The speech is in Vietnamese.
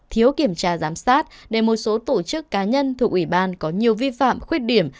thiếu kiểm tra giám sát để một số tổ chức cá nhân thuộc ủy ban có nhiều vi phạm khuyết điểm